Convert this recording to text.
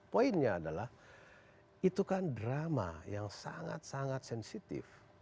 poinnya adalah itu kan drama yang sangat sangat sensitif